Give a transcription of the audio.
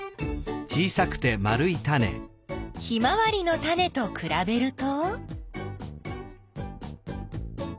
ヒマワリのタネとくらべると？